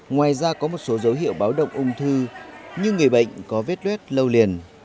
ngoài ra có một số dấu hiệu báo động ung thư như người bệnh có vết luet lâu liền